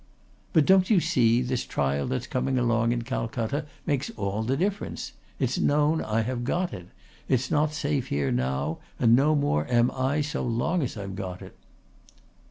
"But don't you see, this trial that's coming along in Calcutta makes all the difference. It's known I have got it. It's not safe here now and no more am I so long as I've got it."